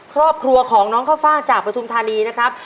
ครอบครัวของน้องข้าวฟ่างจากปฐุมธานีนะครับ